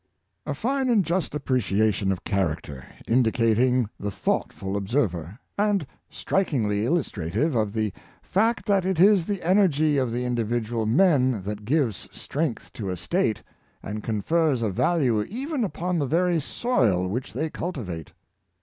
A fine and just appreciation of charac ter, indicating the thoughtful observer; and strikingly illustrative of the fact that it is the energy of the indi vidual men that gives strength to a State, and confers a value even upon the very soil which they cultivate.